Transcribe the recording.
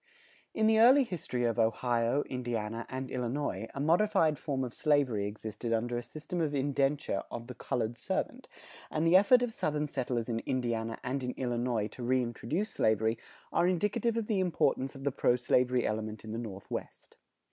In the early history of Ohio, Indiana, and Illinois, a modified form of slavery existed under a system of indenture of the colored servant; and the effort of Southern settlers in Indiana and in Illinois to reintroduce slavery are indicative of the importance of the pro slavery element in the Northwest.